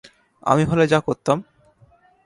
আমি হলে যা করতাম।